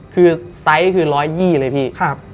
คือไซส์คือ๑๒๐เลยพี่